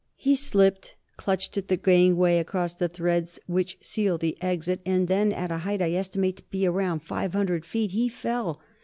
He slipped, clutched at the gangway across the threads which seal the exit, and then, at a height I estimate to be around five hundred feet, he fell.